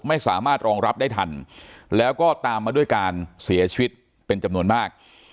ไม่สามารถรองรับได้ทันแล้วก็ตามมาด้วยการเสียชีวิตเป็นจำนวนมาก